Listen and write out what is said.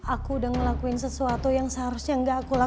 aku udah ngelakuin sesuatu yang seharusnya gak aku lakukan